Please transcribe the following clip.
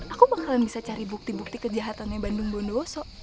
aku bakalan bisa cari bukti bukti kejahatannya bandung bondowoso